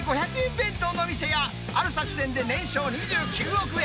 弁当の店や、ある作戦で年商２９億円。